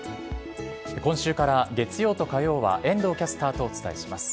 今週から月曜と火曜は、遠藤キャスターとお伝えします。